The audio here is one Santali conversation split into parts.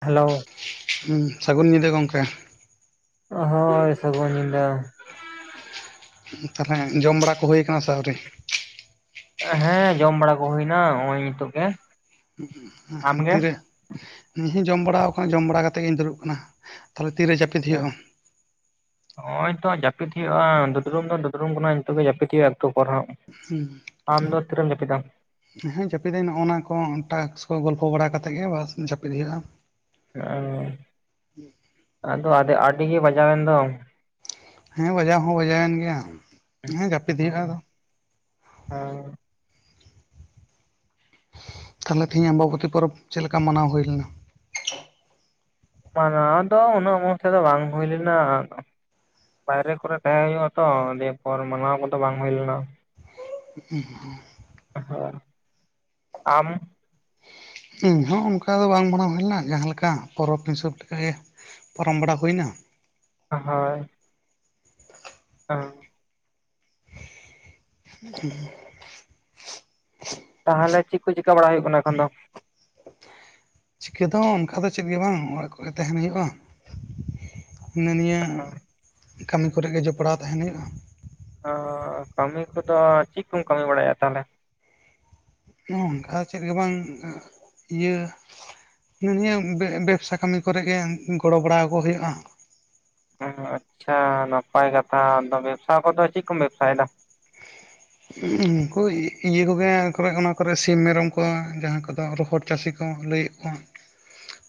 ᱦᱮᱞᱳ ᱦᱩ ᱥᱟᱹᱜᱩᱱ ᱧᱤᱫᱟᱹ ᱜᱚᱢᱠᱮ ᱦᱳᱭ ᱥᱟᱹᱜᱩᱱ ᱧᱤᱫᱟᱹ ᱛᱟᱦᱞᱮ ᱡᱚᱢ ᱵᱟᱲᱟ ᱠᱚ ᱦᱳᱭ ᱠᱟᱱᱟ ᱥᱮ ᱟᱹᱣᱨᱤ? ᱦᱮᱸ ᱡᱚᱢ ᱵᱟᱲᱟ ᱠᱚ ᱦᱩᱭᱱᱟ ᱦᱚᱜ-ᱚᱭ ᱱᱤᱛᱚᱜ ᱜᱮ ᱟᱢᱜᱮ ᱛᱤᱨᱮ, ᱤᱧ ᱦᱚᱸᱧ ᱡᱚᱢ ᱵᱟᱲᱟ ᱟᱠᱟᱱᱟ ᱡᱚᱢ ᱵᱟᱲᱟ ᱠᱟᱛᱮᱫ ᱜᱤᱧ ᱫᱩᱲᱩᱵ ᱠᱟᱱᱟ ᱛᱟᱦᱚᱞᱮ ᱛᱤᱨᱮ ᱡᱟᱹᱯᱤᱫ ᱦᱩᱭᱩᱜᱼᱟ? ᱱᱚᱜᱼᱭ ᱛᱚ ᱡᱟᱯᱤᱫ ᱦᱩᱭᱩᱜᱼᱟ ᱫᱩᱫᱽᱲᱩᱢ ᱫᱚ ᱫᱩᱫᱽᱲᱩᱢ ᱠᱟᱱᱟ ᱱᱤᱛᱚᱜ ᱜᱮ ᱡᱟᱯᱤᱫ ᱦᱩᱭᱩᱜᱼᱟ ᱮᱠᱴᱩ ᱯᱚᱨᱮ ᱦᱟᱸᱜ ᱦᱩᱸ ᱟᱢ ᱫᱚ ᱛᱤᱨᱮᱢ ᱡᱟᱹᱯᱤᱫᱟ ᱦᱮᱸ ᱡᱟᱹᱯᱤᱫᱟᱹᱧ ᱱᱚᱜᱼᱚᱱᱟ ᱠᱚ ᱴᱟᱠᱥ ᱠᱚ ᱜᱚᱞᱯᱚ ᱵᱟᱲᱟ ᱠᱟᱛᱮᱫ ᱜᱮ ᱵᱟᱥ ᱡᱟᱹᱯᱤᱫ ᱦᱩᱭᱩᱜᱼᱟ ᱚ ᱟᱫᱚ ᱟᱫᱮ ᱟᱹᱰᱤ ᱜᱮ ᱵᱟᱡᱟᱣᱮᱱ ᱫᱚ ᱦᱮᱸ ᱵᱟᱡᱟᱣ ᱦᱚᱸ ᱵᱟᱡᱟᱣᱮᱱ ᱜᱮᱭᱟ ᱦᱮᱸ ᱡᱟᱹᱯᱤᱫ ᱦᱩᱭᱩᱜᱼᱟ ᱟᱫᱚ ᱦᱳᱭ ᱛᱟᱦᱚᱞᱮ ᱛᱮᱦᱤᱧ ᱟᱢᱵᱟᱵᱚᱛᱤ ᱯᱚᱨᱚᱵᱽ ᱪᱮᱫ ᱞᱮᱠᱟ ᱢᱟᱱᱟᱣ ᱦᱩᱭ ᱞᱮᱱᱟ? ᱢᱟᱱᱟᱣ ᱫᱚ ᱩᱱᱟᱹᱜ ᱢᱚᱡᱽ ᱛᱮᱫᱚ ᱵᱟᱝ ᱦᱩᱭ ᱞᱮᱱᱟ, ᱵᱟᱭᱨᱮ ᱠᱚᱨᱮ ᱛᱟᱦᱮᱸ ᱦᱩᱭᱩᱜ-ᱟ ᱛᱚ ᱫᱤᱭᱮᱯᱚᱨ ᱢᱟᱱᱟᱣᱟ ᱠᱚᱫᱚ ᱵᱟᱝ ᱦᱩᱭ ᱞᱮᱱᱟ᱾ [unintelligible] ᱦᱮ ᱟᱢ ᱤᱧ ᱦᱚᱸ ᱚᱱᱠᱟ ᱫᱚ ᱵᱟᱝ ᱢᱟᱱᱟᱣ ᱦᱩᱭ ᱞᱮᱱᱟ ᱡᱟᱦᱟᱸ ᱞᱮᱠᱟ ᱯᱚᱨᱚᱵᱽ ᱦᱤᱥᱟᱹᱵ ᱛᱮ ᱯᱟᱨᱚᱢ ᱵᱟᱲᱟ ᱦᱩᱭᱱᱟ, ᱦᱳᱭ, ᱦᱚᱸ, [inaudible] ᱛᱟᱦᱚᱞᱮ ᱪᱮᱫ ᱠᱚ ᱪᱮᱠᱟ ᱵᱟᱲᱟ ᱦᱩᱭᱩᱜ ᱠᱟᱱᱟ ᱮᱠᱷᱚᱱ ᱫᱚ? ᱪᱤᱠᱟᱹ ᱫᱚ ᱚᱝᱠᱟ ᱫᱚ ᱪᱮᱫ ᱜᱮ ᱵᱟᱝ ᱚᱲᱟᱜ ᱠᱚᱨᱮ ᱛᱟᱸᱦᱮᱱ ᱦᱩᱭᱩᱜᱼᱟ᱾ ᱦᱤᱱᱟᱹ ᱱᱤᱭᱟᱹ, ᱠᱟᱹᱢᱤ ᱠᱚᱨᱮ ᱜᱮ ᱡᱚᱯᱲᱟᱣ ᱛᱟᱦᱮᱸᱱ ᱦᱩᱭᱩᱜᱼᱟ᱾ ᱚᱻ ᱠᱟᱹᱢᱤ ᱠᱚᱫᱚ ᱪᱮᱜ ᱠᱚᱢ ᱠᱟᱹᱢᱤ ᱵᱟᱲᱟᱭᱟ ᱛᱟᱦᱚᱞᱮ? ᱱᱚᱝᱠᱟ ᱪᱮᱫ ᱜᱮ ᱵᱟᱝ ᱤᱭᱟᱹ ᱱᱤᱭᱟᱹ ᱵᱮ ᱵᱮᱵᱥᱟ ᱠᱟᱹᱢᱤ ᱠᱚᱨᱮ ᱜᱮ ᱜᱚᱲᱚ ᱵᱟᱲᱟ ᱟᱠᱚ ᱦᱳᱭᱳᱜᱼᱟ᱾ ᱟᱪᱪᱷᱟ ᱱᱟᱯᱟᱭ ᱠᱟᱛᱷᱟ, ᱟᱫᱚ ᱵᱮᱵᱥᱟ ᱠᱚᱫᱚ ᱪᱮᱫ ᱠᱚᱢ ᱵᱮᱵᱥᱟᱭᱮᱫᱟ? ᱩᱝᱠᱩ ᱤᱭᱟᱹ ᱠᱚᱜᱮ, ᱠᱚᱨᱮ ᱚᱱᱟ ᱠᱚᱨᱮ ᱥᱤᱢ ᱢᱮᱨᱚᱢ ᱠᱚ ᱡᱟᱦᱟᱸ ᱠᱚᱫᱚ ᱨᱚᱦᱚᱲ ᱪᱟᱥᱤ ᱠᱚ ᱞᱟᱹᱭᱮᱜ ᱟ,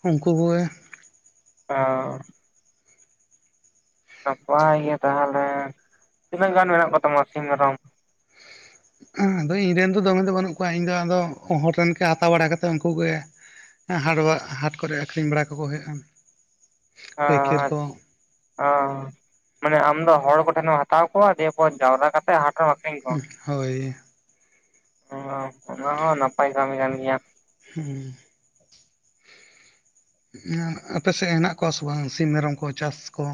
ᱩᱝᱠᱩ ᱠᱚᱜᱮ᱾ [unintelligible] ᱱᱟᱯᱟᱭ ᱜᱮ ᱛᱟᱦᱚᱞᱮ, ᱛᱤᱱᱟᱹᱜ ᱜᱟᱱ ᱢᱮᱱᱟᱜ ᱠᱚ ᱛᱟᱢᱟ ᱥᱤᱢ ᱢᱮᱨᱚᱢ? ᱟᱫᱚ ᱤᱧ ᱨᱮᱱ ᱫᱚ ᱫᱚᱢᱮ ᱫᱚ ᱵᱟᱹᱱᱩᱜ ᱠᱚᱣᱟ ᱤᱧ ᱫᱚ ᱟᱫᱚ ᱦᱚᱲ ᱨᱮᱱ ᱜᱮ ᱦᱟᱛᱟᱣ ᱵᱟᱲᱟ ᱠᱟᱛᱮ ᱩᱝᱠᱩ ᱜᱮ ᱦᱟᱴ ᱵᱟᱜ ᱦᱟᱴ ᱠᱚᱨᱮ ᱟᱠᱷᱨᱤᱧ ᱵᱟᱲᱟ ᱠᱚᱠᱚ ᱦᱩᱭᱩᱜᱼᱟ, ᱯᱟᱹᱭᱠᱟᱹᱨ ᱠᱚ᱾ ᱚᱻ, ᱢᱟᱱᱮ ᱟᱢ ᱫᱚ ᱦᱚᱲ ᱠᱚ ᱴᱷᱮᱱᱮᱢ ᱦᱟᱛᱟᱣ ᱠᱚᱣᱟ ᱫᱤᱭᱮᱯᱚᱨ ᱡᱟᱣᱨᱟ ᱠᱟᱛᱮ ᱦᱟᱴ ᱨᱮᱢ ᱟᱠᱷᱨᱤᱧ ᱠᱚᱣᱟ᱾ ᱦᱳᱭ ᱚᱻ ᱚᱱᱟ ᱦᱚᱸ ᱱᱟᱯᱟᱭ ᱠᱟᱹᱢᱤ ᱠᱟᱱ ᱜᱮᱭᱟ᱾ ᱦᱩᱸ᱾ ᱚᱱᱟ ᱟᱯᱮ ᱥᱮᱜ ᱦᱮᱱᱟᱜ ᱠᱚᱣᱟ ᱥᱮ ᱵᱟᱝ ᱥᱤᱢ ᱢᱮᱨᱚᱢ ᱠᱚ ᱪᱟᱥ ᱠᱚ?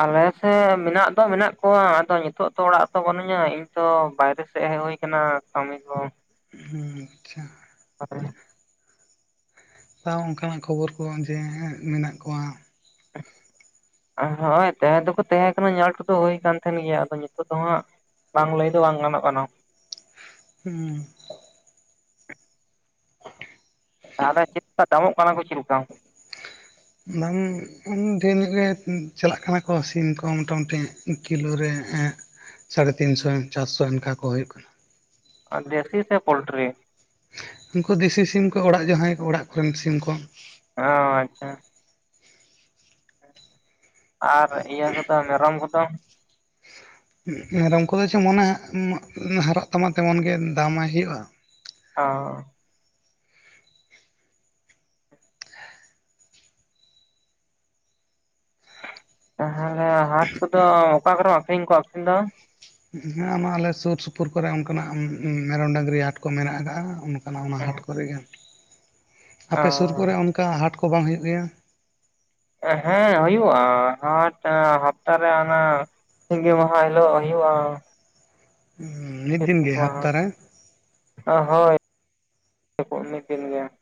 ᱟᱞᱮ ᱥᱮᱫ ᱢᱮᱱᱟᱜ ᱫᱚ ᱢᱮᱱᱟᱜ ᱠᱚᱣᱟ ᱟᱫᱚ ᱱᱤᱛᱚᱜ ᱛᱚ ᱚᱲᱟᱜ ᱨᱮ ᱛᱚ ᱵᱟᱹᱱᱩᱧᱟ ᱤᱧᱛᱚ ᱵᱟᱭᱨᱮ ᱥᱮᱜ ᱦᱮᱜ ᱦᱩᱭ ᱠᱟᱱᱟ ᱠᱟᱹᱢᱤ ᱠᱚ᱾ ᱦᱩᱸ ᱟᱪᱪᱷᱟ᱾ [inaudible] ᱛᱟᱣ ᱚᱝᱠᱟᱱᱟᱜ ᱠᱷᱚᱵᱚᱨ ᱠᱚ ᱡᱮ ᱢᱮᱱᱟᱜ ᱠᱚᱣᱟ᱾ ᱦᱳᱭ ᱛᱟᱦᱮᱸ ᱫᱚᱠᱚ ᱛᱟᱦᱮᱸ ᱠᱟᱱᱟ ᱧᱮᱞ ᱦᱚᱴᱩ ᱫᱚ ᱦᱩᱭ ᱠᱟᱱ ᱛᱟᱦᱮᱸᱱ ᱜᱮᱭᱟ ᱟᱫᱚ ᱱᱤᱛᱳᱜ ᱫᱚ ᱦᱟᱸᱜ ᱵᱟᱝ ᱞᱟᱹᱭ ᱫᱚ ᱵᱟᱝ ᱜᱟᱱᱚᱜ ᱠᱟᱱᱟ᱾ ᱦᱩᱸ᱾ [inaudible] ᱛᱟᱦᱚᱞᱮ ᱪᱮᱫᱠᱟ ᱫᱟᱢᱚᱜ ᱠᱟᱱᱟ ᱠᱚ ᱪᱮᱫ ᱞᱮᱠᱟ? ᱫᱟᱢ ᱰᱷᱮᱨ ᱧᱚᱜ ᱜᱮ ᱪᱟᱞᱟᱜ ᱠᱟᱱᱟ ᱠᱚ ᱥᱤᱢ ᱠᱚ ᱢᱚᱴᱟ ᱢᱩᱴᱤ ᱠᱤᱞᱳ ᱨᱮ ᱮᱸ ᱥᱟᱲᱮ ᱛᱤᱱᱥᱚ, ᱪᱟᱥᱥᱚ ᱚᱝᱠᱟ ᱠᱚ ᱦᱳᱭᱳᱜ ᱠᱟᱱᱟ᱾ ᱟᱨ ᱫᱮᱥᱤ ᱥᱮ ᱯᱳᱞᱴᱨᱤ? ᱩᱝᱠᱩ ᱫᱤᱥᱤ ᱥᱤᱢ ᱠᱚ ᱚᱲᱟᱜ ᱡᱟᱦᱟᱸᱭ ᱚᱲᱟᱜ ᱠᱚᱨᱮᱱ ᱥᱤᱢ ᱠᱚ᱾ ᱚᱸᱻ ᱟᱪᱪᱷᱟ᱾ ᱟᱨ ᱤᱭᱟᱹ ᱠᱚᱫᱚ ᱢᱮᱨᱚᱢ ᱠᱚᱫᱚ? ᱢᱮᱨᱚᱢ ᱠᱚᱫᱚ ᱡᱮᱢᱚᱱᱮ ᱦᱟᱨᱟᱜ ᱛᱟᱢᱟ ᱛᱮᱢᱚᱱ ᱜᱮ ᱫᱟᱢᱟᱭ ᱦᱩᱭᱩᱜᱼᱟ᱾ ᱚᱻ᱾ ᱛᱟᱦᱚᱞᱮ ᱦᱟᱴ ᱠᱚᱫᱚ ᱚᱠᱟ ᱠᱚᱨᱮᱢ ᱟᱠᱷᱨᱤᱧ ᱠᱚᱣᱟᱢ ᱟᱠᱷᱨᱤᱧ ᱫᱚ? ᱦᱮᱸ ᱚᱱᱟ ᱟᱞᱮ ᱥᱩᱨ ᱥᱩᱯᱩᱨ ᱠᱚᱨᱮ ᱚᱱᱠᱟᱱᱟᱜ ᱢᱮᱨᱚᱢ ᱰᱟᱝᱨᱤ ᱦᱟᱴ ᱠᱚ ᱢᱮᱱᱟᱜ ᱟᱠᱟᱜᱼᱟ ᱚᱱ ᱠᱟᱱᱟ ᱚᱱᱟ ᱦᱟᱴ ᱠᱚᱨᱮ ᱜᱮ ᱟᱯᱮ ᱥᱩᱨ ᱠᱚᱨᱮ ᱚ ᱚᱱᱠᱟ ᱦᱟᱴ ᱠᱚ ᱵᱟᱝ ᱦᱩᱭᱩᱜ ᱜᱮᱭᱟ? ᱦᱮᱸ ᱦᱩᱭᱩᱜᱼᱟ ᱦᱟᱴ ᱦᱟᱯᱛᱟᱨᱮ ᱚᱱᱟ ᱥᱤᱸᱜᱤ ᱢᱟᱦᱟ ᱦᱤᱞᱳᱜ ᱦᱤᱭᱩᱜᱼᱟ ᱾ ᱦᱩᱸ ᱢᱤᱫ ᱫᱤᱱ ᱜᱤ ᱦᱟᱯᱛᱟᱨᱮ? ᱳ ᱦᱳᱭ ᱠᱚ ᱢᱤᱫ ᱫᱤᱱ ᱜᱮ ᱾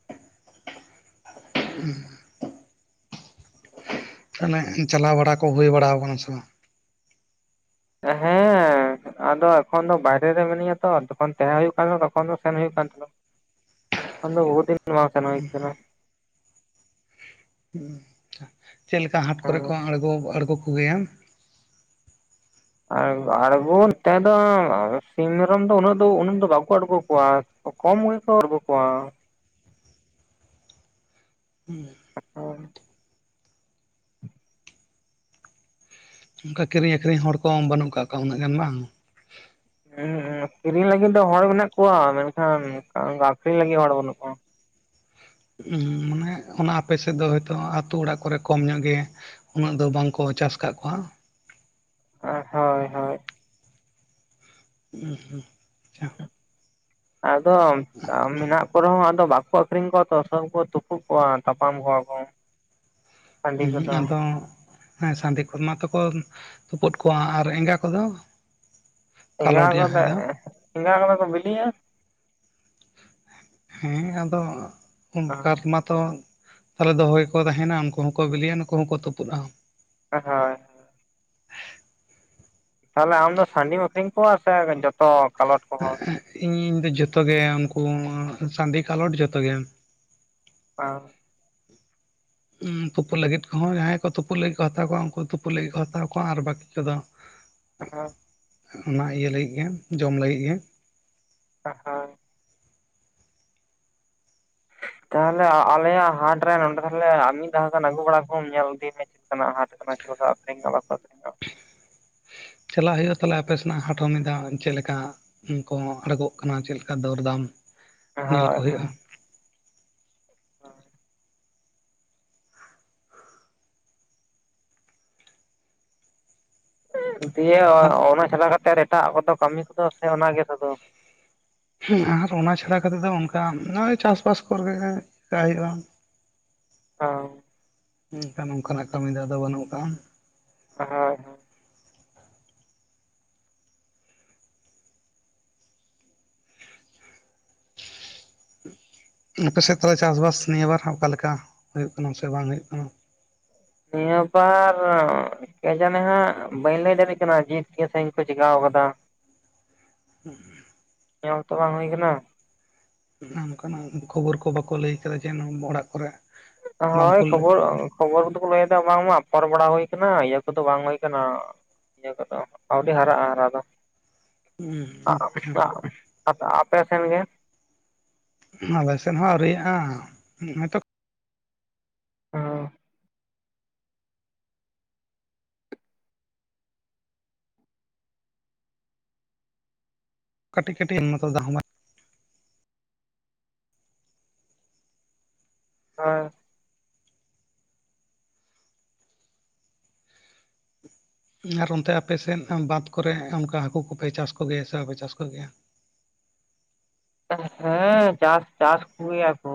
[inaudible] ᱛᱟᱦᱚᱞᱮ ᱪᱟᱞᱟᱣ ᱵᱟᱲᱟ ᱠᱚ ᱦᱩᱭ ᱵᱟᱲᱟ ᱟᱠᱟᱱᱟ ᱥᱮ ᱵᱟᱝ? ᱦᱮᱸ ᱟᱫᱚ ᱮᱠᱷᱚᱱ ᱫᱚ ᱵᱟᱭᱨᱮ ᱨᱮ ᱢᱮᱱᱟᱹᱧᱟ ᱛᱚ ᱛᱚᱠᱷᱚᱱ ᱛᱟᱦᱮᱸ ᱦᱩᱭᱩᱜ ᱠᱟᱱ ᱛᱚᱠᱷᱚᱱ ᱫᱚ ᱥᱮᱱ ᱦᱩᱭᱩᱜ ᱠᱟᱱ ᱛᱟᱦᱮᱸᱱᱟ ᱾ ᱛᱚᱠᱷᱚᱱ ᱫᱚ ᱵᱩᱦᱩ ᱫᱤᱱ ᱢᱟᱝ ᱥᱮᱱ ᱦᱩᱭ ᱟᱠᱟᱱᱟ ᱾ ᱦᱩᱸ ᱪᱮᱫ ᱞᱮᱠᱟ ᱦᱟᱴ ᱠᱚᱨᱮ ᱦᱮᱸ ᱠᱚ ᱟᱬᱜᱳ ᱟᱬᱜᱚ ᱠᱚᱜᱮᱭᱟ? ᱟᱬᱜᱚ ᱱᱮᱛᱮ ᱫᱚ ᱥᱤᱢ ᱢᱮᱨᱚᱢ ᱫᱚ ᱩᱱᱟᱹᱜ ᱫᱚ ᱩᱱᱟᱹᱜ ᱫᱚ ᱵᱟᱝᱠᱚ ᱟᱬᱜᱳ ᱠᱚᱣᱟ ᱾ ᱠᱚᱢ ᱜᱮᱠᱚ ᱟᱹᱜᱩᱠᱚᱣᱟ ᱾ ᱦᱩᱸ ᱾ [unintelligible] ᱚᱱᱠᱟ ᱠᱤᱨᱤᱧ ᱟᱠᱷᱨᱤᱧ ᱦᱚᱲ ᱠᱚᱦᱚᱸ ᱵᱟᱹᱱᱩᱜ ᱟᱠᱟᱜ ᱠᱚᱣᱟ ᱩᱱᱟᱹᱜ ᱜᱟᱱ ᱵᱟᱝ? ᱦᱩᱸ ᱦᱩᱸ ᱠᱤᱨᱤᱧ ᱞᱟᱹᱜᱤᱫ ᱫᱚ ᱦᱚᱲ ᱢᱮᱱᱟᱜ ᱠᱚᱣᱟ ᱢᱮᱱᱠᱷᱟᱱ ᱟᱠᱷᱤᱧ ᱞᱟᱹᱜᱤᱫ ᱦᱚᱲ ᱵᱟᱹᱱᱩᱜ ᱠᱚᱣᱟ ᱾ ᱦᱩᱸ ᱢᱟᱱᱮ ᱚᱱᱟ ᱟᱯᱮ ᱥᱮᱫ ᱫᱚ ᱦᱚᱭᱛᱳ ᱟᱹᱛᱩᱳ ᱚᱲᱟᱜ ᱠᱚᱨᱮ ᱠᱚᱢ ᱧᱚᱜ ᱜᱮ ᱩᱱᱟᱹᱜ ᱫᱚ ᱵᱟᱝ ᱠᱚ ᱪᱟᱥ ᱠᱟᱜ ᱠᱚᱣᱟ ᱾ ᱚ ᱦᱳᱭᱼᱦᱳᱭ ᱾ ᱦᱩᱸᱼᱦᱩᱸ ᱾ ᱟᱫᱚ ᱠᱟᱢ ᱢᱮᱱᱟᱜ ᱠᱚ ᱨᱮᱦᱚᱸ ᱟᱫᱚ ᱵᱟᱠᱚ ᱛᱚ ᱟᱹᱠᱷᱨᱤᱧ ᱠᱚᱣᱟ ᱛᱚ ᱥᱚᱵ ᱠᱚ ᱛᱩᱯᱩᱜ ᱠᱚᱣᱟ ᱛᱟᱯᱟᱢ ᱠᱚᱣᱟ ᱠᱚ ᱾ ᱦᱩᱸ ᱟᱫᱚ ᱦᱮᱸ ᱥᱟᱺᱰᱤ ᱠᱚᱢᱟ ᱛᱚᱠᱚ ᱛᱩᱯᱩᱫ ᱠᱚᱣᱟ ᱟᱨ ᱮᱸᱜᱟ ᱠᱚᱫᱚ? ᱮᱸᱜᱟ ᱠᱟᱞᱚᱴ ᱠᱚᱫᱮ ᱡᱟᱦᱟᱸᱭ ᱫᱚ ᱮᱸᱜᱟ ᱠᱚᱫᱚ ᱠᱚ ᱵᱤᱞᱤᱭᱟ ᱾ ᱦᱮᱸ ᱟᱫᱚ ᱚᱱᱠᱟ ᱨᱮ ᱢᱟᱛᱚ ᱛᱟᱦᱚᱞᱮ ᱫᱚᱦᱚᱭ ᱜᱮ ᱠᱚ ᱛᱟᱦᱮᱱᱟ ᱩᱱᱠᱩ ᱦᱚᱸᱠᱚ ᱵᱤᱞᱜᱤᱭᱟ ᱱᱩᱠᱩ ᱦᱚᱸᱠᱚ ᱛᱩᱯᱩᱜᱼᱟ᱾ ᱦᱳᱭ ᱾ ᱛᱟᱦᱚᱞᱮ ᱟᱢᱫᱚ ᱥᱟᱺᱰᱤᱢ ᱟᱹᱠᱷᱨᱤᱧ ᱠᱚᱜᱣᱟ ᱥᱮ ᱡᱚᱛᱚ ᱠᱟᱞᱚᱴ? ᱠᱚ ᱦᱚᱲ ᱤᱧ ᱫᱚ ᱡᱚᱛᱚ ᱜᱮ ᱩᱱᱠᱩ ᱥᱟᱺᱰᱤ ᱠᱟᱞᱚᱴ ᱡᱚᱛᱚ ᱜᱮ᱾ ᱚᱸ ᱾ ᱛᱩᱯᱩ ᱞᱟᱹᱜᱤᱫ ᱠᱚᱦᱚᱸ ᱡᱟᱦᱟᱸᱭ ᱠᱚ ᱛᱩᱯᱩᱜ ᱞᱟᱹᱜᱤᱫ ᱠᱚ ᱦᱟᱛᱟᱣ ᱠᱚᱣᱟ ᱩᱱᱠᱩ ᱛᱩᱯᱩ ᱞᱟᱹᱜᱤᱫ ᱠᱚ ᱦᱟᱛᱟᱣ ᱠᱚᱣᱟ ᱟᱨ ᱵᱟᱹᱠᱤ ᱠᱚᱫᱚ [inaudible] [inaudible] ᱚᱱᱟ ᱤᱭᱟᱹ ᱞᱟᱹᱜᱤᱫ ᱜᱮ ᱡᱚᱢ ᱞᱟᱹᱜᱤᱫ ᱜᱮ᱾ ᱚ ᱦᱳᱭ ᱾ ᱛᱟᱦᱚᱞᱮ ᱟᱞᱮᱭᱟᱜ ᱦᱟᱴ ᱨᱮ ᱱᱚᱰᱮ ᱛᱟᱦᱚᱞᱮ ᱢᱤᱫ ᱫᱷᱟᱣ ᱜᱟᱱ ᱟᱹᱜᱩ ᱵᱟᱲᱟ ᱠᱚᱢ ᱧᱮᱞ ᱤᱫᱤᱭ ᱢᱮ᱾ ᱪᱮᱫ ᱞᱮᱠᱟᱱ ᱟᱜ ᱦᱟᱴ ᱠᱟᱱᱟ ᱪᱮᱫ ᱠᱟ ᱠᱚ ᱟᱠᱷᱨᱤᱧ ᱚᱜ ᱟ ᱥᱮ ᱵᱟᱝᱟ ᱠᱚ ᱟᱠᱷᱨᱤᱧ ᱚᱜᱼᱟ ᱾ ᱪᱟᱞᱟᱜ ᱦᱩᱭᱩᱜᱼᱟ ᱛᱟᱦᱚᱞᱮ ᱟᱯᱮ ᱥᱮᱱᱟᱜ ᱦᱟᱴ ᱦᱚᱸ ᱢᱤᱫ ᱫᱷᱟ ᱪᱮᱫ ᱞᱮᱠᱟ ᱠᱩ ᱟᱲᱜᱚᱜ ᱠᱟᱱᱟ ᱪᱮᱫ ᱞᱮᱠᱟ ᱫᱚᱨᱫᱟᱢ ᱧᱮᱞᱠᱩ ᱦᱳᱭ ᱦᱩᱭᱩᱜᱼᱟ᱾ ᱦᱳᱭ ᱫᱤᱭᱮ ᱟᱨ ᱚᱱᱟ ᱪᱷᱟᱲᱟ ᱠᱟᱛᱮᱫ ᱮᱴᱟᱜ ᱠᱚᱫᱚ ᱠᱟᱹᱢᱤ ᱠᱚᱫᱚ ᱥᱮ ᱚᱱᱟᱜᱮ ᱥᱩᱫᱩ ᱟᱨ ᱚᱱᱟ ᱪᱷᱟᱲᱟ ᱠᱟᱛᱮᱫ ᱫᱚ ᱚᱱᱠᱟ ᱱᱚᱜᱚᱭ ᱪᱟᱥ ᱵᱟᱥ ᱠᱚᱨᱮᱜ ᱪᱤᱠᱟᱭ ᱦᱩᱭᱩᱜᱼᱟ᱾ ᱚ ᱾ ᱢᱮᱱᱠᱷᱟᱱ ᱚᱱᱠᱟᱱᱟᱜ ᱠᱟᱹᱢᱤ ᱫᱚ ᱟᱫᱚ ᱵᱟᱹᱱᱩᱜ ᱟᱠᱟᱜ-ᱟ᱾ ᱦᱳᱭ, ᱟᱯᱮ ᱥᱮᱫ ᱛᱟᱞᱚᱞᱮ ᱪᱟᱥᱼᱵᱟᱥ ᱱᱤᱭᱟᱹᱵᱟᱨ ᱚᱠᱟᱞᱮᱠᱟ ᱦᱩᱭᱩᱜ ᱠᱟᱱᱟ ᱥᱮ ᱵᱟᱝ ᱦᱩᱭᱩᱜ ᱠᱟᱱᱟ? ᱱᱤᱭᱟᱹ ᱵᱟᱨ ᱠᱮ ᱡᱟᱱᱤ ᱦᱟᱸᱜ ᱵᱟᱹᱧ ᱞᱟᱹᱭ ᱫᱟᱲᱮᱭᱟᱜ ᱠᱟᱱᱟ ᱡᱮ ᱥᱟᱺᱦᱤᱧ ᱠᱚ ᱪᱮᱠᱟᱣ ᱠᱟᱫᱟ᱾ ᱦᱩᱸ, ᱧᱮᱞ ᱛᱚ ᱵᱟᱝ ᱦᱩᱭ ᱠᱟᱱᱟ᱾ ᱱᱚ ᱱᱚᱝᱠᱟᱱᱟᱜ ᱠᱷᱚᱵᱚᱨ ᱠᱚ ᱵᱟᱠᱚ ᱞᱟᱹᱭ ᱠᱟᱫᱟ ᱡᱮ ᱚᱲᱟᱜ ᱠᱚᱨᱮ, ᱵᱟᱢ ᱦᱚᱭ ᱠᱩᱞ ᱠᱷᱚᱵᱚᱨ, ᱠᱷᱚᱵᱚᱨ ᱫᱚᱠᱚ ᱞᱟᱹᱭᱮᱫᱟ ᱵᱟᱝᱢᱟ ᱟᱯᱚᱨ ᱵᱟᱲᱟ ᱦᱩᱭ ᱠᱟᱱᱟ ᱤᱭᱟᱹ ᱠᱚᱫᱚ ᱵᱟᱝ ᱦᱩᱭ ᱠᱟᱱᱟ᱾ ᱤᱭᱟᱹ ᱠᱚᱫᱚ, ᱟᱹᱣᱨᱤ ᱦᱟᱨᱟᱜᱼᱟ ᱦᱟᱨᱟ ᱫᱚ᱾ ᱟ ᱟᱯᱮ ᱥᱮᱱ ᱜᱮ? ᱟᱞᱮ ᱥᱮᱫ ᱦᱚᱸ ᱟᱹᱣᱨᱤᱟᱜᱼᱟ, ᱱᱚᱜ ᱚᱭ ᱛᱚ, ᱚ, ᱠᱟᱹᱴᱤᱡ ᱠᱟᱹᱴᱤᱡ [unintelligible] ᱦᱚᱭ, ᱟᱨ ᱚᱱᱛᱮ ᱟᱯᱮᱥᱮᱫ ᱵᱟᱸᱫᱷ ᱠᱚᱨᱮ ᱚᱱᱠᱟ ᱦᱟᱹᱠᱩ ᱠᱚᱯᱮ ᱪᱟᱥ ᱠᱚᱜᱮᱭᱟ ᱥᱮ ᱵᱟᱯᱮ ᱪᱟᱥ ᱠᱚᱜᱮᱭᱟ? ᱦᱮᱸ ᱪᱟᱥ ᱪᱟᱥ ᱠᱜᱮᱭᱟᱠᱚ᱾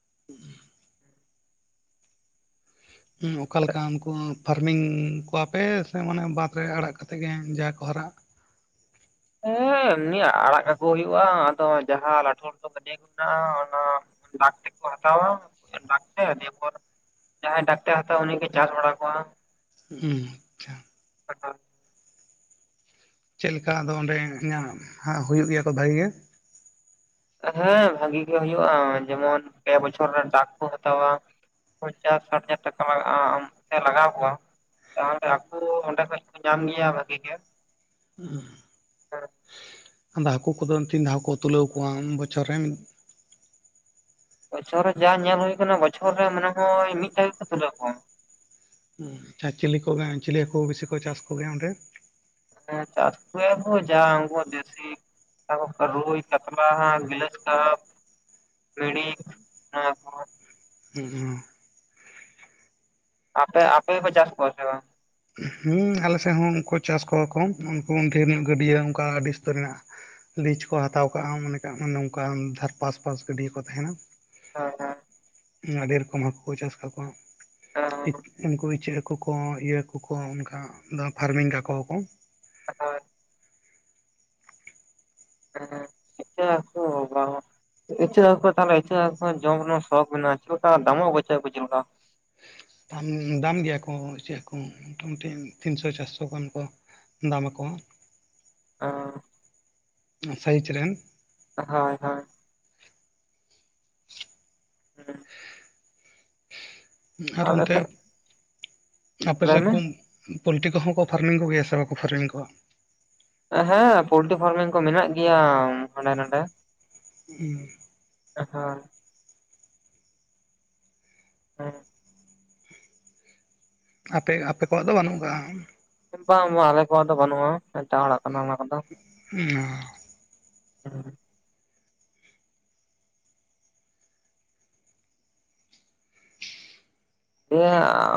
[unintelligible] ᱚᱠᱟ ᱞᱮᱠᱟ ᱩᱱᱠᱩ, ᱯᱷᱟᱨᱢᱤᱝ ᱠᱚᱣᱟ ᱯᱮ ᱥᱮ ᱢᱟᱱᱮ ᱵᱟᱸᱫᱽ ᱨᱮ ᱟᱲᱟᱜ ᱠᱟᱛᱮᱫ ᱜᱮ ᱡᱟᱦᱟᱸ ᱠᱚ ᱦᱟᱨᱟᱜ᱾ ᱦᱮᱸ ᱮᱢᱱᱤ ᱟᱲᱟᱜ ᱠᱟᱠᱚ ᱦᱩᱭᱩᱜᱼᱟ, ᱟᱫᱚ ᱡᱟᱦᱟᱸ ᱞᱟᱴᱷᱩᱟᱴᱷᱩ ᱜᱟᱹᱰᱭᱟᱹ ᱠᱚ ᱢᱮᱱᱟᱜᱼᱟ ᱚᱱᱟ, ᱰᱟᱠᱛᱮ ᱠᱚ ᱦᱟᱛᱟᱣᱟ ᱰᱟᱠᱛᱮ ᱱᱤᱭᱟᱹᱯᱚᱨ, ᱡᱟᱦᱟᱸᱭ ᱰᱟᱠ ᱛᱮ ᱦᱟᱛᱟᱣᱟᱭ ᱩᱱᱤ ᱜᱮᱭ ᱪᱟᱥ ᱵᱟᱲᱟ ᱠᱚᱣᱟ᱾ ᱟᱪᱪᱷᱟ, [unintelligible] ᱪᱮᱫ ᱞᱮᱠᱟ ᱟᱫᱚ ᱚᱸᱰᱮ ᱧᱟᱢ ᱦᱩᱭᱩᱜ ᱜᱮᱭᱟ ᱠᱚ ᱵᱷᱟᱹᱜᱮ ᱜᱮ᱾ ᱦᱮᱸ ᱵᱷᱟᱹᱜᱤ ᱜᱮ ᱦᱩᱭᱩᱜᱼᱟ, ᱡᱮᱢᱚᱱ ᱯᱮ ᱵᱚᱪᱷᱚᱨ ᱜᱟᱱ ᱰᱟᱠ ᱠᱚ ᱦᱟᱛᱟᱣᱟ᱾ ᱯᱚᱧᱪᱟᱥ ᱥᱟᱴ ᱦᱟᱡᱟᱨ ᱴᱟᱠᱟ ᱞᱟᱜᱟᱜ-ᱟ ᱞᱟᱜᱟᱣ ᱠᱚᱣᱟ᱾ ᱛᱟᱦᱚᱞᱮ ᱟᱠᱚ ᱚᱸᱰᱮ ᱠᱷᱚᱡ ᱠᱚ ᱧᱟᱢ ᱜᱮᱭᱟ ᱵᱷᱟᱹᱜᱤ ᱜᱮ᱾ ᱟᱫᱚ ᱦᱟᱹᱠᱩ ᱠᱚᱫᱚ ᱛᱤᱱ ᱫᱷᱟᱣ ᱠᱚ ᱛᱩᱞᱟᱹᱣ ᱠᱚᱣᱟ ᱵᱚᱪᱷᱚᱨ ᱨᱮ? ᱵᱚᱪᱷᱚᱨ ᱨᱮ ᱡᱟ ᱧᱮᱞ ᱦᱩᱭᱳ ᱠᱟᱱᱟ ᱵᱚᱪᱷᱚᱨ ᱨᱮ ᱢᱚᱱᱮ ᱦᱚᱭ ᱢᱤᱫ ᱫᱷᱟᱣ ᱜᱮ ᱠᱚ ᱛᱩᱞᱟᱹᱣ ᱠᱚᱣᱟ᱾ [unintelligible] ᱪᱤᱞᱤ ᱠᱚᱜᱮ ᱪᱤᱞᱤ ᱦᱟᱹᱠᱩ ᱵᱤᱥᱤ ᱠᱚ ᱪᱟᱥ ᱠᱚ ᱜᱮᱭᱟ ᱚᱸᱰᱮ? ᱦᱮᱸ ᱪᱟᱥ ᱠᱚᱭᱟᱠᱟ ᱡᱟ ᱩᱱᱠᱩ ᱦᱟᱸᱜ ᱫᱮᱥᱤ, ᱨᱩᱭ ᱠᱟᱛᱞᱟ ᱦᱟᱸᱜ ᱜᱤᱞᱟᱹᱥ ᱠᱟᱯ᱾ ᱵᱮᱲᱤ, [unintelligible] ᱦᱮᱸ, [unintelligible] ᱟᱯᱮ ᱟᱯᱮ ᱯᱮ ᱪᱟᱥ ᱠᱚᱣᱟ ᱥᱮ ᱵᱟᱝ? ᱦᱩᱸ, ᱟᱞᱮ ᱥᱮᱫ ᱦᱚᱸ ᱩᱱᱠᱩ ᱪᱟᱥ ᱠᱚᱣᱟ ᱠᱚ ᱩᱱᱠᱩ ᱰᱷᱮᱨ ᱧᱚᱜ ᱜᱟᱹᱰᱭᱟᱹ ᱚᱱᱠᱟ ᱟᱹᱰᱤ ᱩᱥᱛᱟᱹᱨ ᱢᱮᱱᱟᱜ-ᱟ᱾ ᱞᱤᱡ ᱠᱚ ᱦᱟᱛᱟᱣ ᱠᱟᱜᱼᱟ ᱢᱚᱱᱮ ᱠᱟᱜ ᱢᱮ ᱱᱚᱝᱠᱟ ᱫᱷᱟᱨ ᱯᱟᱥᱼᱯᱟᱥ ᱜᱟᱹᱰᱭᱟᱹ ᱠᱚ ᱛᱟᱦᱮᱸᱱᱟ᱾ [unintelligible] ᱟᱹᱰᱤ ᱨᱚᱠᱚᱢ ᱦᱟᱹᱠᱩ ᱠᱚ ᱪᱟᱥ ᱠᱟᱠᱚᱣᱟ᱾ ᱩᱱᱠᱩ ᱤᱪᱟᱹᱜ ᱦᱟᱹᱠᱳ ᱠᱚ ᱤᱭᱟᱹ ᱦᱟᱠᱳ ᱠᱚ ᱚᱱᱠᱟ ᱫᱚᱢᱮ ᱯᱷᱟᱨᱢᱤᱝ ᱠᱟᱠᱚᱣᱟ ᱠᱚ᱾ [unintelligible] ᱦᱮᱸ ᱤᱪᱟᱹᱜ ᱦᱟᱹᱠᱩ, [unintelligible] [unintelligible] ᱤᱪᱟᱹᱜ ᱦᱟᱠᱳ ᱛᱟᱦᱚᱞᱮ ᱤᱪᱟᱹᱜ ᱦᱟᱠᱳ ᱡᱚᱢ ᱨᱮᱱᱟᱜ ᱥᱚᱠ ᱢᱮᱱᱟᱜᱼᱟ ᱪᱮᱫ ᱞᱮᱠᱟ ᱫᱟᱢ ᱟᱠᱚ ᱤᱪᱟᱹᱜ ᱦᱟᱠᱳ ᱪᱮᱫ ᱞᱮᱠᱟ? ᱫᱟᱢ ᱜᱮᱭᱟ ᱠᱚ ᱤᱪᱟᱹᱜ ᱦᱟᱠᱳ ᱢᱚᱴᱟᱢᱩᱴᱤ ᱛᱤᱱᱥᱚ ᱪᱟᱨᱥᱚ ᱜᱟᱱ ᱠᱚ ᱫᱟᱢ ᱟᱠᱚ [unintelligible] ᱥᱟᱭᱤᱡ ᱨᱮᱱᱼᱼ ᱦᱳᱭ ᱦᱳᱭ [unintelligible] ᱟᱨ ᱟᱞᱮ ᱚᱱᱛᱮ ᱥᱮᱫ ᱟᱯᱮ ᱞᱟᱹᱭ ᱥᱮᱫ ᱢᱮ [unintelligible] ᱯᱚᱞᱴᱤ ᱠᱚᱦᱚᱸ ᱠᱚ ᱯᱷᱟᱨᱢᱤᱝ ᱠᱚ ᱜᱮᱭᱟ ᱥᱮ ᱵᱟᱠᱚ ᱯᱷᱟᱨᱢᱤᱝ ᱠᱚᱣᱟ? ᱦᱮᱸ ᱯᱳᱞᱴᱨᱤ ᱯᱷᱟᱨᱢᱤᱝ ᱠᱚ ᱢᱮᱱᱟᱜ ᱜᱮᱭᱟ ᱦᱟᱸᱰᱮ ᱱᱟᱰᱮ᱾ [unintelligible] [unintelligible] ᱦᱮᱸ ᱟᱯᱮ ᱟᱯᱮ ᱠᱚᱣᱟᱜ ᱫᱚ ᱵᱟᱹᱱᱩᱜ ᱟᱠᱟᱜᱼᱟ? ᱵᱟᱝ ᱵᱟᱝ ᱟᱞᱮ ᱠᱚᱣᱟᱜ ᱫᱚ ᱵᱟᱹᱱᱩᱜᱼᱟ ᱮᱴᱟᱜ ᱦᱚᱲᱟᱜ ᱠᱟᱱᱟ ᱚᱱᱟ ᱠᱚᱫᱚ᱾ [unintelligible] [unintelligible] [unintelligible]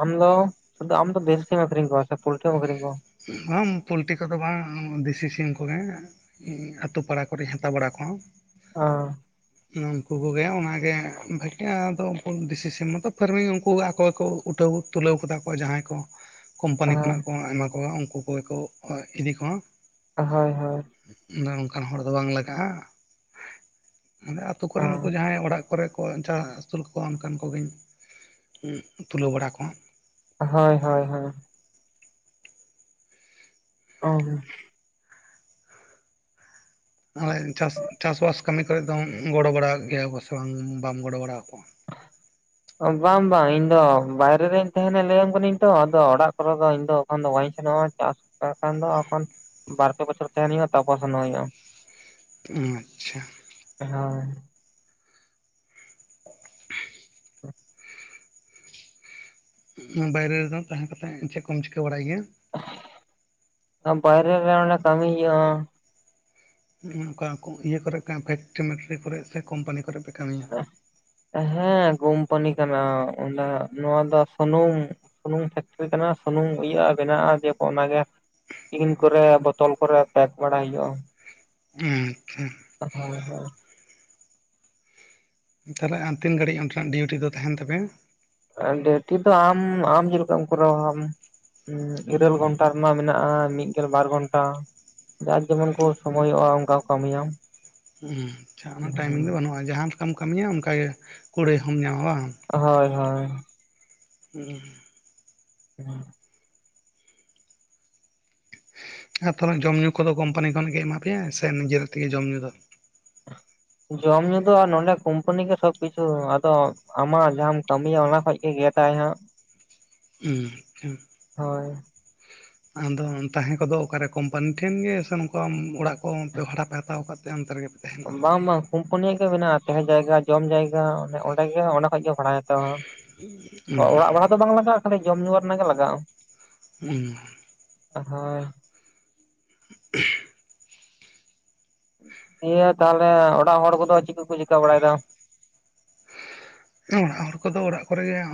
ᱟᱢ ᱫᱚ ᱥᱩᱫᱩ ᱟᱢ ᱫᱚ ᱫᱮᱥᱤᱢ ᱜᱮ ᱟᱹᱠᱷᱨᱤᱧ ᱠᱚᱣᱟ ᱥᱮ ᱯᱳᱞᱴᱨᱤ ᱮᱢ ᱟᱹᱠᱷᱨᱤᱧ ᱠᱚᱣᱟ? ᱵᱟᱝ ᱯᱳᱞᱴᱤ ᱠᱚᱫᱚ ᱵᱟᱝ, ᱫᱮᱥᱤ ᱥᱤᱢ ᱠᱚᱜᱮᱼᱼ ᱟᱛᱳ ᱯᱟᱲᱟ ᱠᱚᱨᱮᱧ ᱦᱟᱛᱟᱣ ᱵᱟᱲᱟ ᱠᱚᱣᱟ᱾ ᱚᱻ [inaudible] ᱩᱱᱠᱩ ᱠᱚ ᱜᱮ ᱚᱱᱟ ᱜᱮ ᱵᱷᱟᱜᱤ ᱟᱫᱚ ᱩᱱᱠᱩ ᱫᱮᱥᱤ ᱥᱤᱢ ᱢᱚᱛᱚ ᱯᱷᱟᱨᱢᱤᱝ ᱩᱱᱠᱩ ᱟᱠᱚ ᱠᱚ ᱩᱴᱟᱹᱣ ᱛᱩᱞᱟᱹᱣ ᱠᱚᱛᱟ ᱠᱚ ᱡᱟᱦᱟᱸᱭ ᱠᱚᱼᱼ ᱠᱳᱢᱯᱟᱱᱤ ᱠᱷᱚᱱᱟᱜ ᱠᱚ ᱮᱢᱟ ᱠᱚᱣᱟ ᱩᱱᱠᱩ ᱠᱚᱜᱮ ᱠᱚ ᱤᱫᱤ ᱠᱚᱣᱟ᱾ ᱦᱳᱭ ᱦᱳᱭ, ᱚᱱᱠᱟᱱ ᱦᱚᱲ ᱫᱚ ᱵᱟᱝ ᱞᱟᱜᱟᱜᱼᱟ ᱟᱞᱮ ᱟᱛᱳ ᱚ, ᱠᱚᱨᱮᱱ ᱩᱱᱠᱩ ᱡᱟᱦᱟᱸᱭ ᱚᱲᱟᱜᱼᱼ ᱠᱚᱨᱮ ᱠᱚ [unintelligible] ᱟᱹᱥᱩᱞ ᱠᱚ ᱚᱱᱠᱟᱱ ᱠᱚᱜᱮᱧ ᱛᱩᱞᱟᱹᱣ ᱵᱟᱲᱟ ᱠᱚᱣᱟ᱾ ᱦᱳᱭ ᱦᱳᱭ ᱦᱳᱭ, [unintelligible] ᱦᱚᱭ ᱪᱟᱥ-ᱪᱟᱥ-ᱵᱟᱥ ᱠᱟᱹᱢᱤ ᱠᱚᱨᱮᱫ ᱫᱚᱢ ᱜᱚᱲᱚ ᱵᱟᱲᱟ ᱜᱮᱭᱟ ᱠᱚ ᱥᱮ ᱵᱟᱝ ᱵᱟᱢ ᱜᱚᱲᱚ ᱵᱟᱲᱟ ᱟᱠᱚᱣᱟ? [inaudible] ᱵᱟᱝ ᱵᱟᱝ ᱤᱧ ᱫᱚ ᱵᱟᱭᱨᱮ ᱨᱮᱧ ᱛᱟᱦᱮᱸᱱᱟ ᱞᱟᱹᱭᱟᱢ ᱠᱟᱹᱱᱟᱹᱧ ᱛᱚ ᱟᱫᱚ ᱚᱲᱟᱜ ᱠᱚᱨᱮ ᱫᱚ ᱤᱧ ᱫᱚᱼᱼ ᱮᱠᱷᱚᱱ ᱫᱚ ᱵᱟᱹᱧ ᱥᱮᱱᱚᱜ-ᱟ ᱪᱟᱥ [unintelligible] ᱵᱟᱨᱯᱮ ᱵᱟᱪᱷᱚᱨ ᱛᱟᱦᱮᱸᱱ ᱦᱩᱭᱩᱜ ᱟ ᱛᱟᱨᱯᱚᱨ ᱥᱮᱱᱚᱜ ᱦᱩᱭᱩᱜ-ᱟ᱾ [unintelligible] [unintelligible] ᱵᱟᱭᱨᱮ ᱨᱮᱫᱚ ᱛᱟᱦᱮᱸ ᱠᱟᱛᱮᱫ ᱪᱮᱫ ᱠᱚᱢ ᱪᱤᱠᱟᱹ ᱵᱟᱲᱟᱭ ᱜᱮᱭᱟ? ᱵᱟᱭᱨᱮ ᱨᱮ ᱠᱟᱹᱢᱤ ᱦᱩᱭᱩᱜᱼᱟ ᱾ ᱚᱱᱠᱟ ᱤᱭᱟᱹ ᱠᱚᱨᱮ [unintelligible] ᱯᱷᱮᱠᱴᱨᱤ ᱢᱮᱠᱴᱨᱤ ᱠᱚᱨᱮ ᱥᱮ ᱠᱳᱢᱯᱟᱱᱤ ᱠᱚᱨᱮ ᱯᱮ ᱠᱟᱹᱢᱤᱭᱟ? ᱦᱮᱸ ᱠᱚᱢᱯᱟᱱᱤ ᱠᱟᱱᱟ ᱚᱱᱟ ᱱᱚᱣᱟ ᱫᱚ ᱥᱩᱱᱩᱢ ᱾ ᱥᱩᱱᱩᱢ ᱯᱷᱮᱠᱴᱨᱤ ᱠᱟᱱᱟ ᱥᱩᱱᱩᱢ ᱤᱭᱟᱹᱜᱼᱟ ᱵᱮᱱᱟᱜᱼᱟ ᱡᱮ ᱠᱚ ᱚᱱᱟ ᱜᱮ, ᱛᱤᱱ ᱠᱚᱨᱮ ᱵᱳᱛᱚᱞ ᱠᱚᱨᱮ ᱯᱮᱠ ᱵᱟᱲᱟᱭ ᱦᱩᱭᱩᱜᱼᱟ ᱾ ᱦᱩᱸ ᱟᱪᱪᱷᱟ ᱾ ᱦᱳᱭ ᱦᱳᱭ ᱾ ᱛᱟᱦᱚᱞᱮ ᱟᱢ ᱛᱤᱱ ᱜᱷᱟᱹᱲᱤᱡ ᱚᱱᱰᱮᱱᱟ-ᱜ ᱰᱤᱩᱴᱤ ᱫᱚ ᱛᱟᱦᱮᱱ ᱛᱟᱯᱮᱭᱟ? ᱰᱩᱴᱤ ᱫᱚ ᱟᱢ, ᱟᱢ ᱪᱮᱫᱠᱟᱢ ᱠᱚᱨᱟᱣᱼᱟ᱾ ᱟᱢ ᱤᱨᱟᱹᱞ ᱦᱩᱸ ᱜᱷᱚᱱᱴᱟ ᱾ ᱢᱟ ᱢᱮᱱᱟᱜᱼᱟ᱾ ᱢᱤᱫᱜᱞ ᱵᱟᱨ ᱜᱷᱚᱱᱴᱟ ᱾ ᱡᱟᱨ ᱡᱮᱢᱚᱱ ᱠᱚ ᱥᱳᱢᱚᱭᱚᱜᱼᱟ᱾ ᱚᱱᱠᱟ ᱠᱚ ᱠᱟᱹᱢᱤᱭᱟ ᱾ ᱟᱪᱪᱷᱟ ᱚᱱᱟ ᱴᱟᱭᱤᱢᱤᱝ ᱫᱚ ᱵᱟᱹᱱᱩᱜᱼᱟ᱾ ᱡᱟᱦᱟᱸ ᱞᱮᱠᱟᱢ ᱠᱟᱹᱢᱤᱭᱟ ᱚᱱᱠᱟᱜ ᱜᱮ ᱠᱩᱲᱟᱹᱭ ᱦᱚᱢ ᱧᱟᱢᱟ ᱾ ᱦᱳᱭ ᱦᱳᱭ ᱾ ᱦᱮᱸ ᱾ [inaudible] ᱟᱨ ᱛᱷᱚᱲᱮ ᱡᱚᱢ ᱧᱩ ᱠᱚᱼᱫᱚ ᱠᱳᱢᱯᱟᱱᱤ ᱠᱷᱚᱱᱟᱜ ᱜᱮ ᱮᱢᱟ ᱯᱮᱭᱟ᱾ ᱥᱮ ᱱᱤᱡᱮᱨ ᱛᱮᱜᱮ ᱡᱚᱢᱼ ᱧᱩ ᱫᱚ? ᱡᱚᱢ ᱧᱩ ᱫᱚ, ᱱᱚᱰᱮᱸ ᱠᱳᱢᱯᱟᱱᱤ ᱜᱮ ᱥᱚᱵ ᱠᱤᱪᱷᱩ ᱟᱫᱚ ᱟᱢᱟᱜ ᱡᱟᱦᱟᱸᱟᱢ ᱠᱟᱹᱢᱤᱭᱟ ᱾ ᱚᱱᱟ ᱠᱷᱚᱡ ᱜᱮ ᱜᱮᱫ ᱟᱭᱼᱦᱟᱸᱜ ᱾ ᱦᱩᱸ ᱟᱪᱪᱷᱟ ᱾ ᱦᱳᱭ ᱾ ᱟᱫᱚ ᱛᱟᱦᱮᱸ ᱠᱚ-ᱫᱚ ᱚᱠᱟᱨᱮ ᱠᱳᱢᱯᱟᱱᱤ ᱴᱷᱮᱱ ᱜᱮ ᱥᱮ᱾ ᱱᱚᱝᱠᱟ ᱚᱲᱟᱜ ᱠᱚ ᱵᱷᱽᱟᱲᱟ ᱯᱮ ᱦᱟᱛᱟᱣ ᱟᱠᱟᱫ ᱛᱮ᱾ ᱚᱱᱛᱮ ᱨᱮᱜᱮ? ᱵᱟᱝ, ᱵᱟᱝ ᱠᱩᱢᱯᱟᱱᱤᱭᱟ-ᱜ ᱜᱮ ᱢᱮᱱᱟᱜᱼᱟ᱾ ᱛᱟᱦᱮᱸ ᱡᱟᱭᱜᱟ ᱡᱚᱢ ᱡᱟᱭᱜᱟ ᱮ ᱚᱸᱰᱮ ᱜᱮ ᱚᱸ ᱠᱷᱚᱡ ᱜᱮ ᱵᱷᱟᱲᱟᱭ ᱦᱟᱛᱟᱣᱟ ᱾ ᱚᱸ ᱛᱟᱦᱮᱱᱟ? ᱚᱲᱟᱜ ᱵᱷᱽᱟᱲᱟ ᱫᱚ ᱵᱟᱝ ᱞᱟᱜᱟᱜᱼᱟ᱾ ᱫᱚ ᱡᱚᱢᱼᱧᱩ ᱨᱮᱱᱟᱜ ᱜᱮ ᱞᱟᱜᱟᱜᱼᱟ ᱾ ᱦᱩᱸ ᱾ ᱟᱨᱦᱚᱭ, [unintelligible] ᱦᱮᱸ ᱛᱟᱦᱚᱞᱮ ᱚᱲᱟᱜ ᱦᱚᱲ ᱠᱚᱼᱫᱚ ᱪᱮᱫ ᱞᱮᱠᱟ ᱠᱚᱠᱩ ᱚᱲᱟᱜ ᱦᱚᱲ ᱠᱚᱼᱫᱚ ᱚᱲᱟᱜ ᱠᱚᱨᱮ ᱜᱮ ᱾